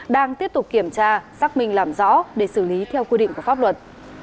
đang tiếp tục kiểm tra xác minh làm rõ để xử lý theo quy định của pháp luật